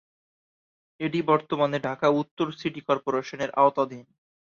এটি বর্তমানে ঢাকা উত্তর সিটি কর্পোরেশনের আওতাধীন।